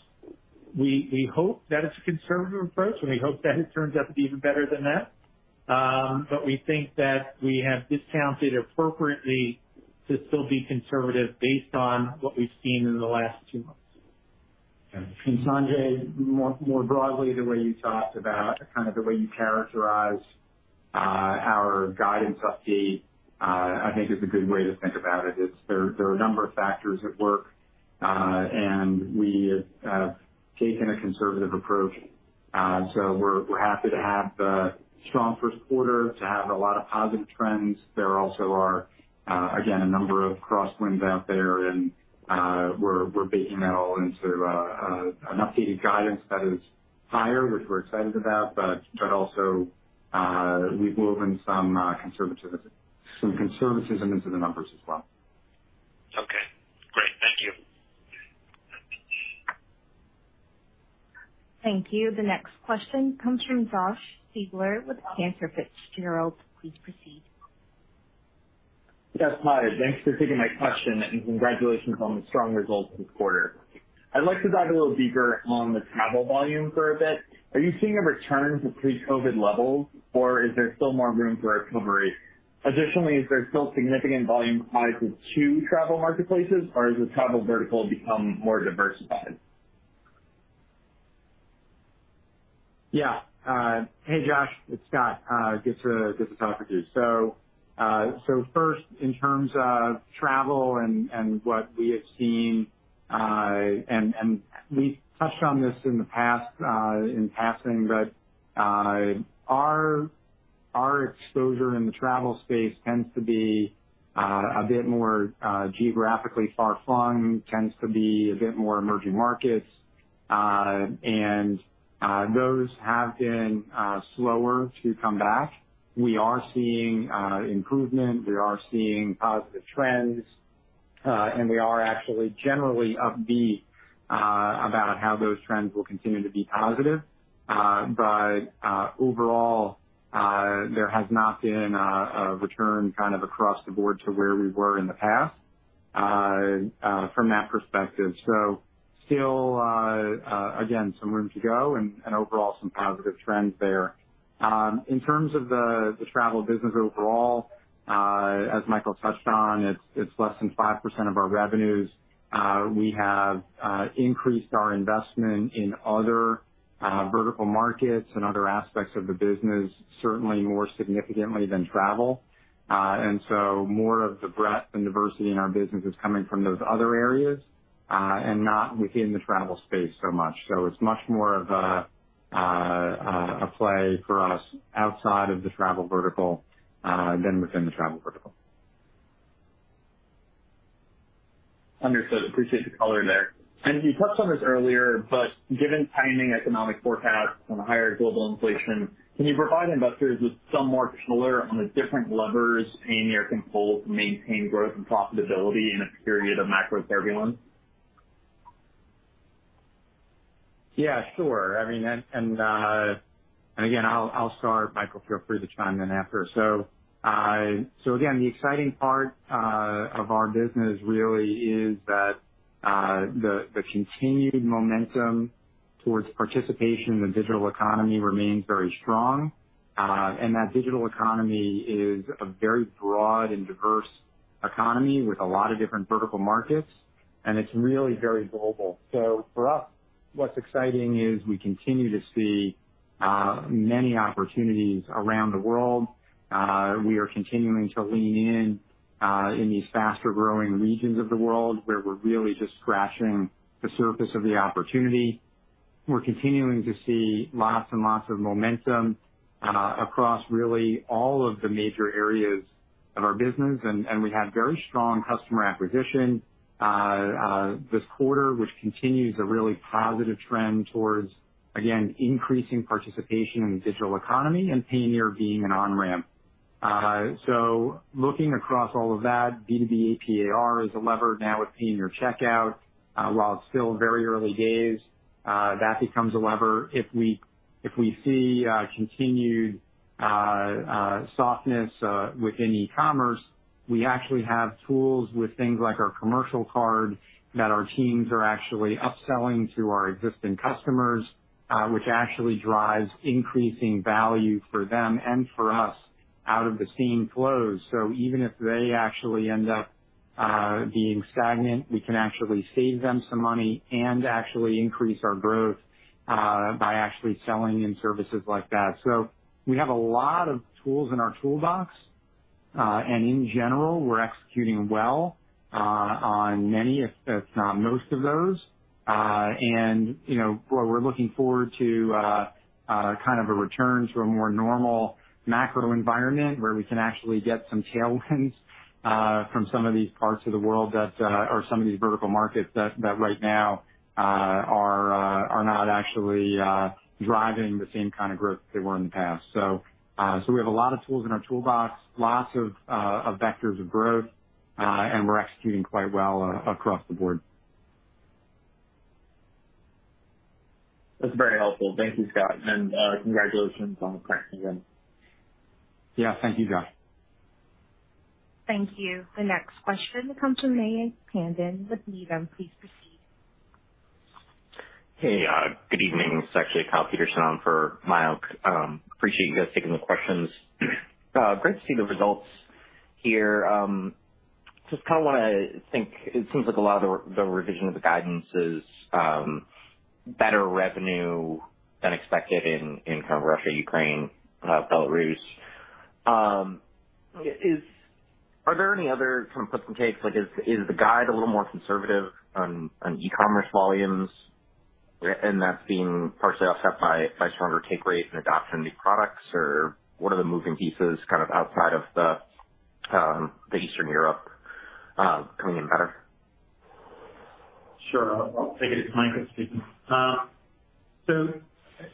we hope that it's a conservative approach, and we hope that it turns out to be even better than that. We think that we have discounted appropriately to still be conservative based on what we've seen in the last two months. Okay. Sanjay, more broadly, the way you talked about kind of the way you characterized our guidance update, I think is a good way to think about it. There are a number of factors at work, and we have taken a conservative approach. We're happy to have the strong first quarter to have a lot of positive trends. There also are, again, a number of crosswinds out there, and we're baking that all into an updated guidance that is higher, which we're excited about, but also, we've woven some conservatism into the numbers as well. Okay, great. Thank you. Thank you. The next question comes from Josh Siegler with Cantor Fitzgerald. Please proceed. Yes, hi. Thanks for taking my question and congratulations on the strong results this quarter. I'd like to dive a little deeper on the travel volume for a bit. Are you seeing a return to pre-COVID levels, or is there still more room for recovery? Additionally, is there still significant volume tied to two travel marketplaces, or has the travel vertical become more diversified? Yeah. Hey, Josh, it's Scott. Good to talk with you. First, in terms of travel and what we have seen, and we've touched on this in the past in passing, but our exposure in the travel space tends to be a bit more geographically far-flung, tends to be a bit more emerging markets, and those have been slower to come back. We are seeing improvement. We are seeing positive trends, and we are actually generally upbeat about how those trends will continue to be positive. Overall, there has not been a return kind of across the board to where we were in the past from that perspective. Still, again, some room to go and overall some positive trends there. In terms of the travel business overall, as Michael touched on, it's less than 5% of our revenues. We have increased our investment in other vertical markets and other aspects of the business, certainly more significantly than travel. More of the breadth and diversity in our business is coming from those other areas and not within the travel space so much. It's much more of a play for us outside of the travel vertical than within the travel vertical. Understood. Appreciate the color there. You touched on this earlier, but given tightening economic forecasts and higher global inflation, can you provide investors with some more color on the different levers Payoneer can pull to maintain growth and profitability in a period of macro turbulence? Yeah, sure. I mean, again, I'll start. Michael, feel free to chime in after. The exciting part of our business really is that the continued momentum towards participation in the digital economy remains very strong. That digital economy is a very broad and diverse economy with a lot of different vertical markets, and it's really very global. For us, what's exciting is we continue to see many opportunities around the world. We are continuing to lean in in these faster-growing regions of the world where we're really just scratching the surface of the opportunity. We're continuing to see lots and lots of momentum across really all of the major areas of our business. We had very strong customer acquisition this quarter, which continues a really positive trend towards, again, increasing participation in the digital economy and Payoneer being an on-ramp. Looking across all of that, B2B AP/AR is a lever now with Payoneer Checkout. While it's still very early days, that becomes a lever if we see continued softness within e-commerce. We actually have tools with things like our commercial card that our teams are actually upselling to our existing customers, which actually drives increasing value for them and for us out of the same flows. Even if they actually end up being stagnant, we can actually save them some money and actually increase our growth by actually selling in services like that. We have a lot of tools in our toolbox. In general, we're executing well on many, if not most of those. You know, we're looking forward to kind of a return to a more normal macro environment where we can actually get some tailwinds from some of these parts of the world or some of these vertical markets that right now are not actually driving the same kind of growth they were in the past. We have a lot of tools in our toolbox, lots of vectors of growth, and we're executing quite well across the board. That's very helpful. Thank you, Scott. Congratulations on the pricing wins. Yeah, thank you, Josh. Thank you. The next question comes from Mayank Tandon with Needham. Please proceed. Hey, good evening. It's actually Kyle Peterson on for Mayank. Appreciate you guys taking the questions. Great to see the results here. It seems like a lot of the revision of the guidance is better revenue than expected in kind of Russia, Ukraine, Belarus. Are there any other kind of puts and takes? Like, is the guide a little more conservative on e-commerce volumes and that's being partially offset by stronger take rates and adoption of new products? Or what are the moving pieces kind of outside of the Eastern Europe coming in better? Sure. I'll take it. It's Mike speaking. I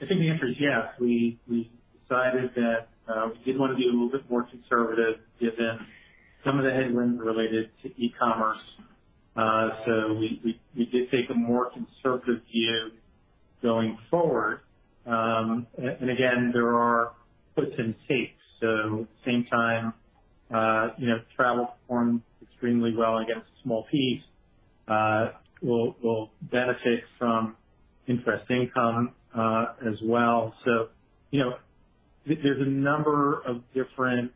think the answer is yes. We decided that we did wanna be a little bit more conservative given some of the headwinds related to e-commerce. We did take a more conservative view going forward. Again, there are puts and takes. At the same time, you know, travel performed extremely well against a small piece. We'll benefit from interest income, as well. You know, there's a number of different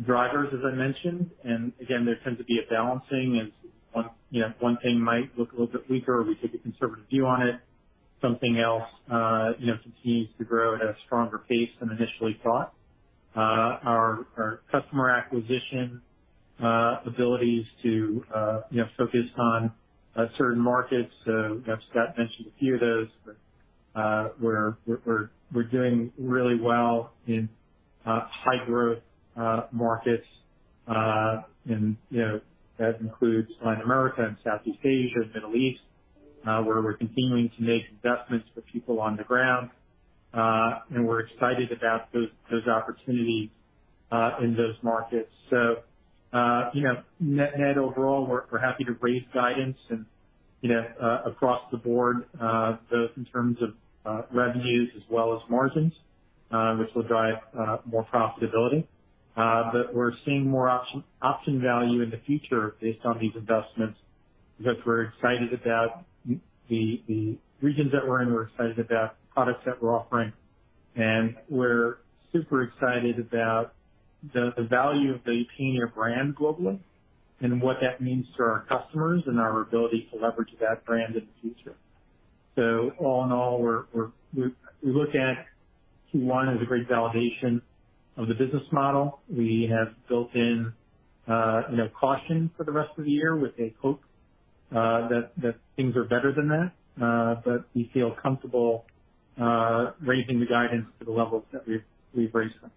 drivers, as I mentioned, and again, there tends to be a balancing. One thing might look a little bit weaker. We take a conservative view on it. Something else, you know, continues to grow at a stronger pace than initially thought. Our customer acquisition abilities to you know focus on certain markets, so that's what I mentioned a few of those. We're doing really well in high growth markets. You know, that includes Latin America and Southeast Asia and Middle East, where we're continuing to make investments with people on the ground. We're excited about those opportunities in those markets. You know, net overall, we're happy to raise guidance and, you know, across the board, both in terms of revenues as well as margins, which will drive more profitability. We're seeing more option value in the future based on these investments because we're excited about the regions that we're in, we're excited about products that we're offering, and we're super excited about the value of the Payoneer brand globally and what that means to our customers and our ability to leverage that brand in the future. All in all, we look at Q1 as a great validation of the business model. We have built in, you know, caution for the rest of the year with a hope that things are better than that. We feel comfortable raising the guidance to the levels that we've raised them.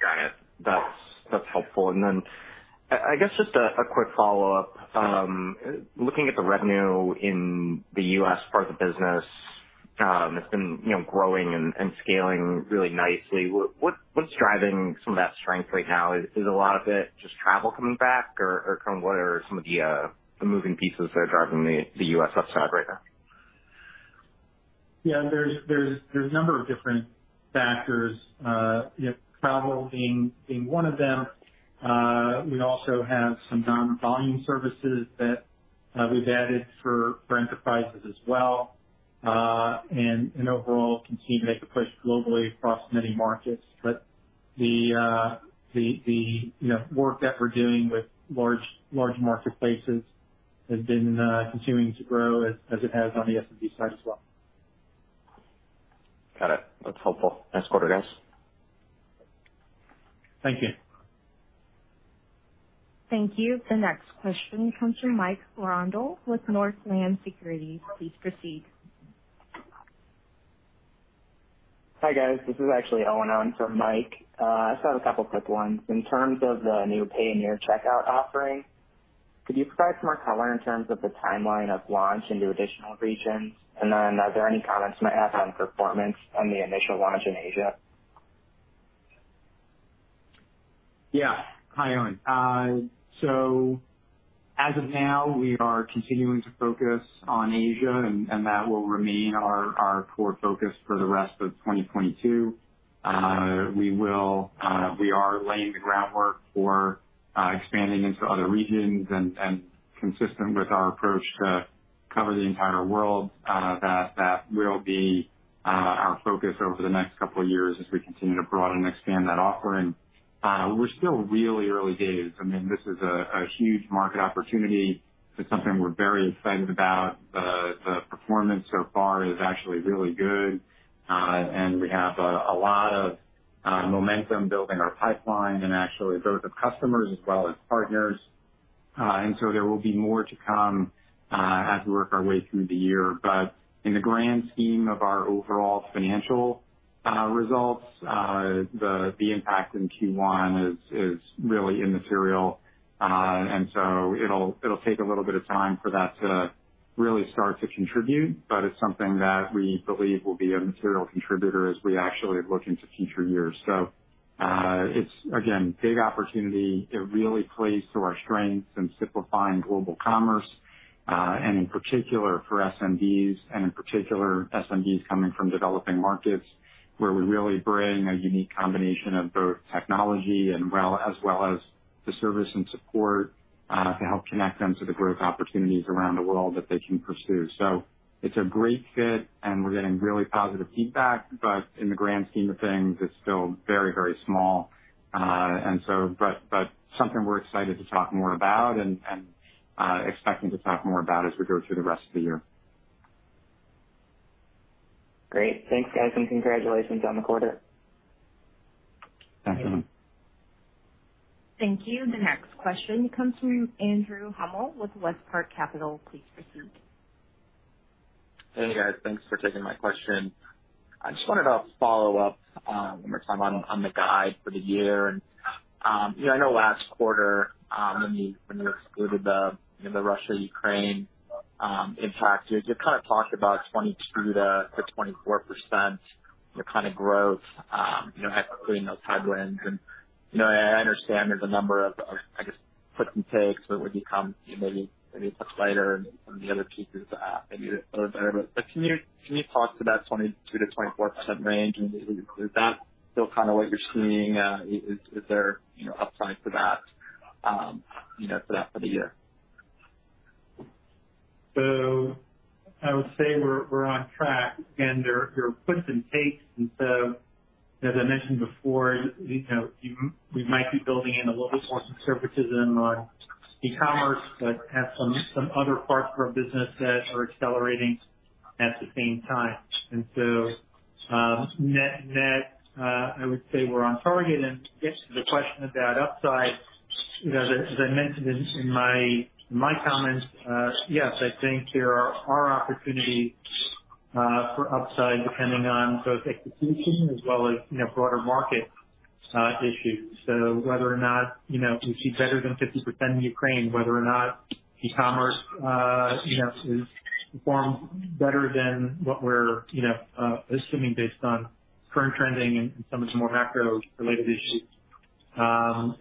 Got it. That's helpful. I guess just a quick follow-up. Looking at the revenue in the U.S. part of the business, it's been, you know, growing and scaling really nicely. What's driving some of that strength right now? Is a lot of it just travel coming back or kind of what are some of the moving pieces that are driving the U.S. upside right now? Yeah. There's a number of different factors, you know, travel being one of them. We also have some non-volume services that we've added for enterprises as well. Overall continue to make a push globally across many markets. The, you know, work that we're doing with large marketplaces has been continuing to grow as it has on the SMB side as well. Got it. That's helpful. Thanks for the guidance. Thank you. Thank you. The next question comes from Mike Grondahl with Northland Securities. Please proceed. Hi, guys. This is actually Owen on for Mike. I just had a couple quick ones. In terms of the new Payoneer Checkout offering, could you provide some more color in terms of the timeline of launch into additional regions? Are there any comments you might have on performance on the initial launch in Asia? Yeah. Hi, Owen. So as of now, we are continuing to focus on Asia, and that will remain our core focus for the rest of 2022. We are laying the groundwork for expanding into other regions and consistent with our approach to cover the entire world, that will be our focus over the next couple of years as we continue to broaden and expand that offering. We're still really in early days. I mean, this is a huge market opportunity. It's something we're very excited about. The performance so far is actually really good. We have a lot of momentum building our pipeline and actually both in customers as well as partners. There will be more to come as we work our way through the year. In the grand scheme of our overall financial results, the impact in Q1 is really immaterial. It'll take a little bit of time for that to really start to contribute, but it's something that we believe will be a material contributor as we actually look into future years. It's again big opportunity. It really plays to our strengths in simplifying global commerce, and in particular for SMBs, and in particular SMBs coming from developing markets, where we really bring a unique combination of both technology as well as the service and support to help connect them to the growth opportunities around the world that they can pursue. It's a great fit, and we're getting really positive feedback, but in the grand scheme of things, it's still very, very small. Something we're excited to talk more about and expecting to talk more about as we go through the rest of the year. Great. Thanks, guys, and congratulations on the quarter. Thanks. Thank you. The next question comes from Andrew Hummel with WestPark Capital. Please proceed. Hey, guys. Thanks for taking my question. I just wanted to follow up one more time on the guide for the year. You know, I know last quarter, when you excluded the Russia-Ukraine impact, you just kind of talked about 22%-24%, you know, kind of growth, excluding those headwinds. You know, I understand there's a number of I guess puts and takes that would become, you know, maybe tailwinds and some of the other pieces that maybe are better. But can you talk to that 22%-24% range? Is that still kinda what you're seeing? Is there, you know, upside for that, you know, for that for the year? I would say we're on track, and there are puts and takes. As I mentioned before, you know, we might be building in a little more conservatism on e-commerce, but have some other parts of our business that are accelerating at the same time. Net, I would say we're on target. To get to the question about upside, you know, as I mentioned in my comments, yes, I think there are opportunities for upside depending on both execution as well as, you know, broader market issues. Whether or not, you know, we see better than 50% in Ukraine, whether or not e-commerce, you know, is performed better than what we're, you know, assuming based on current trending and some of the more macro-related issues. Our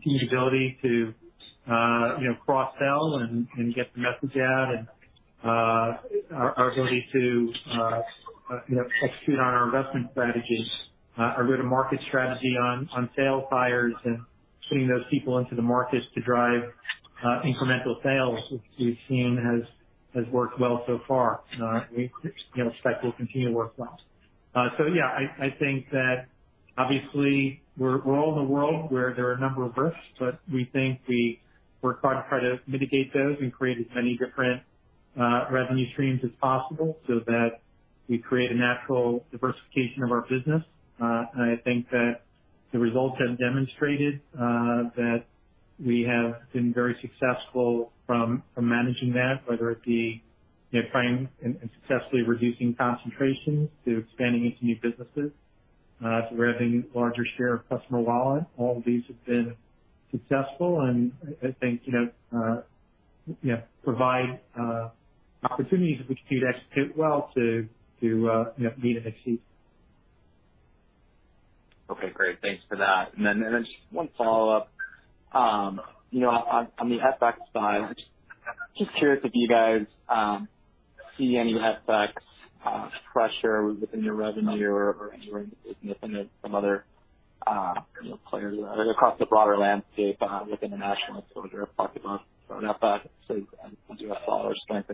continued ability to, you know, cross-sell and get the message out and our ability to, you know, execute on our investment strategies, our go-to-market strategy on sales hires and getting those people into the markets to drive incremental sales, which we've seen has worked well so far. We, you know, expect will continue to work well. Yeah, I think that obviously we're all in a world where there are a number of risks, but we think we work hard to try to mitigate those and create as many different revenue streams as possible so that we create a natural diversification of our business. I think that the results have demonstrated that we have been very successful from managing that, whether it be, you know, trying and successfully reducing concentrations to expanding into new businesses, to grabbing larger share of customer wallet. All of these have been successful, and I think, you know, provide opportunities if we continue to execute well to, you know, meet and exceed. Okay, great. Thanks for that. Then just one follow-up. You know, on the FX side, just curious if you guys see any FX pressure within your revenue or anywhere in the business and some other, you know, players across the broader landscape, within the international exposure I've talked about from an FX point of view, as well as strength.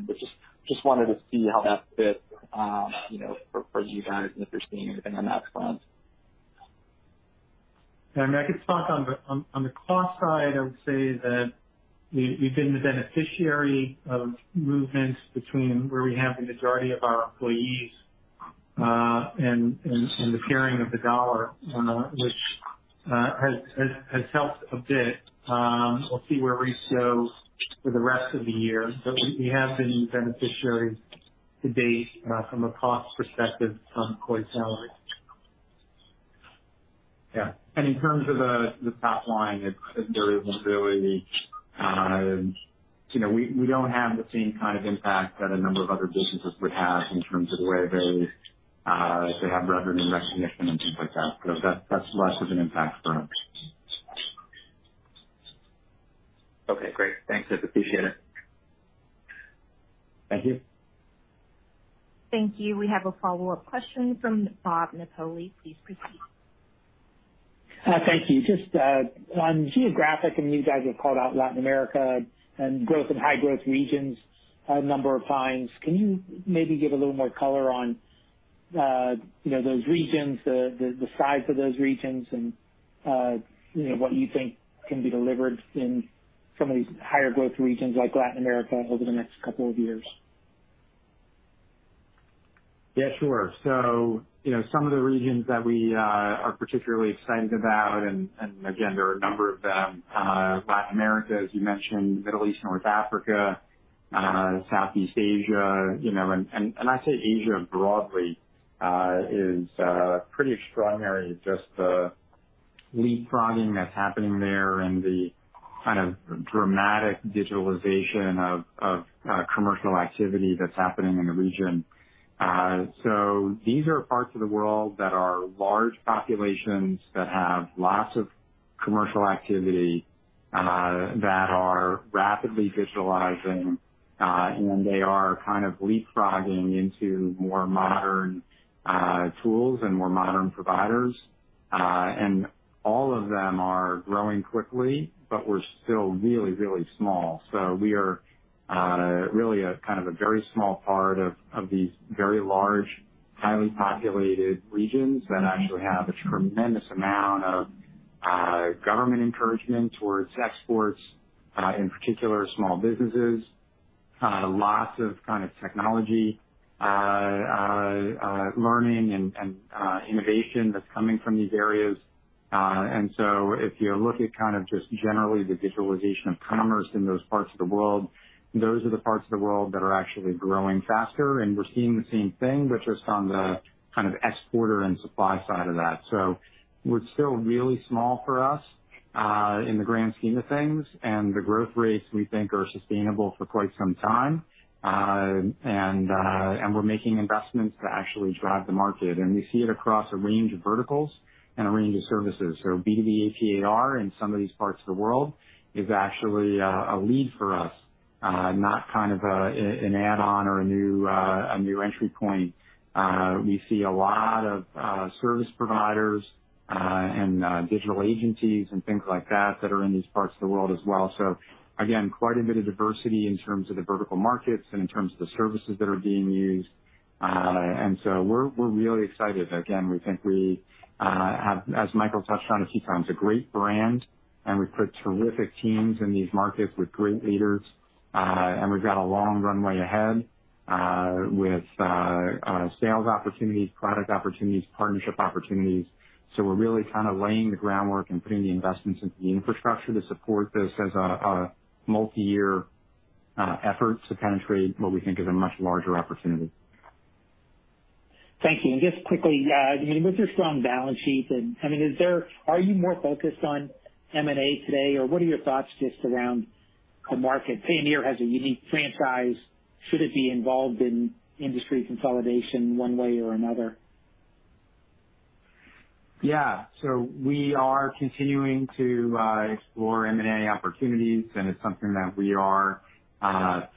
Just wanted to see how that fits, you know, for you guys, and if you're seeing anything on that front. I mean, I could speak on the cost side. I would say that we've been the beneficiary of movements between where we have the majority of our employees and the pairing of the US dollar, which has helped a bit. We'll see where we go for the rest of the year, but we have been beneficiaries to date from a cost perspective from low salary. Yeah. In terms of the top line, it's very little, really. You know, we don't have the same kind of impact that a number of other businesses would have in terms of the way they have revenue recognition and things like that. That's less of an impact for us. Okay, great. Thanks, guys. Appreciate it. Thank you. Thank you. We have a follow-up question from Bob Napoli. Please proceed. Thank you. Just on geographic, I mean, you guys have called out Latin America and growth in high growth regions a number of times. Can you maybe give a little more color on, you know, those regions, the size of those regions and, you know, what you think can be delivered in some of these higher growth regions like Latin America over the next couple of years. Yeah, sure. You know, some of the regions that we are particularly excited about, and again, there are a number of them, Latin America, as you mentioned, Middle East and North Africa, Southeast Asia, you know. I say Asia broadly is pretty extraordinary, just the leapfrogging that's happening there and the kind of dramatic digitalization of commercial activity that's happening in the region. These are parts of the world that are large populations that have lots of commercial activity that are rapidly digitalizing, and they are kind of leapfrogging into more modern tools and more modern providers. All of them are growing quickly, but we're still really, really small. We are really a kind of a very small part of these very large, highly populated regions that actually have a tremendous amount of government encouragement towards exports, in particular small businesses, lots of kind of technology, learning and innovation that's coming from these areas. If you look at kind of just generally the digitalization of commerce in those parts of the world, those are the parts of the world that are actually growing faster. We're seeing the same thing, but just on the kind of exporter and supply side of that. We're still really small for us, in the grand scheme of things. The growth rates we think are sustainable for quite some time. We're making investments to actually drive the market. We see it across a range of verticals and a range of services. B2B AP/AR in some of these parts of the world is actually a lead for us, not kind of an add-on or a new entry point. We see a lot of service providers and digital agencies and things like that that are in these parts of the world as well. Again, quite a bit of diversity in terms of the vertical markets and in terms of the services that are being used. We're really excited. Again, we think we have, as Michael touched on a few times, a great brand, and we've put terrific teams in these markets with great leaders. We've got a long runway ahead with sales opportunities, product opportunities, partnership opportunities. We're really kind of laying the groundwork and putting the investments into the infrastructure to support this as a multi-year effort to penetrate what we think is a much larger opportunity. Thank you. Just quickly, I mean, with your strong balance sheet and, I mean, are you more focused on M&A today, or what are your thoughts just around the market? Payoneer has a unique franchise. Should it be involved in industry consolidation one way or another? Yeah. We are continuing to explore M&A opportunities, and it's something that we are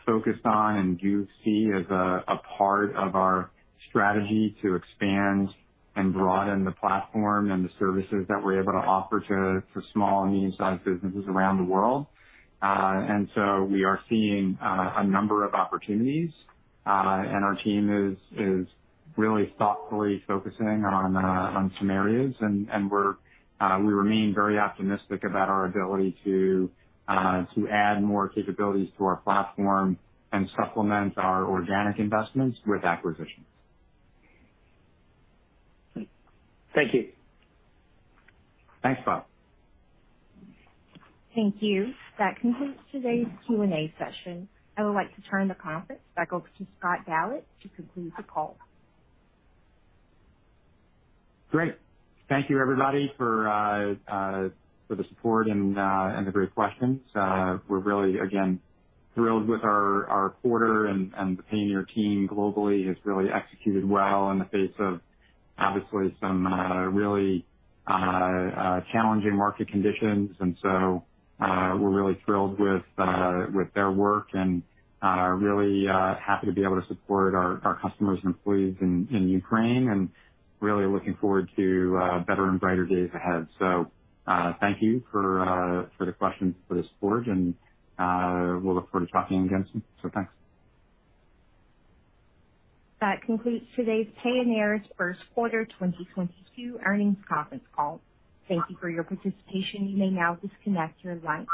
focused on and do see as a part of our strategy to expand and broaden the platform and the services that we're able to offer to small and medium-sized businesses around the world. We are seeing a number of opportunities, and our team is really thoughtfully focusing on some areas. We remain very optimistic about our ability to add more capabilities to our platform and supplement our organic investments with acquisitions. Thank you. Thanks, Bob. Thank you. That concludes today's Q&A session. I would like to turn the conference back over to Scott Galit to conclude the call. Great. Thank you, everybody, for the support and the great questions. We're really, again, thrilled with our quarter and the Payoneer team globally has really executed well in the face of obviously some really challenging market conditions. We're really thrilled with their work and really happy to be able to support our customers and employees in Ukraine and really looking forward to better and brighter days ahead. Thank you for the questions, for the support, and we'll look forward to talking again soon. Thanks. That concludes today's Payoneer First Quarter 2022 Earnings Conference Call. Thank you for your participation. You may now disconnect your lines.